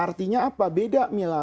artinya apa beda mila